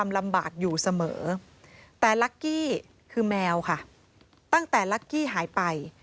ลำบากอยู่เสมอแต่ลักกี้คือแมวค่ะตั้งแต่ลักกี้หายไป